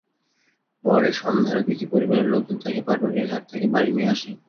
পরে সন্ধ্যার দিকে পরিবারের লোকজন তাকে পাটুরিয়া ঘাট থেকে বাড়ি নিয়ে আসে।